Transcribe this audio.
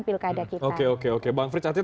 pilkada oke oke oke bang frits artinya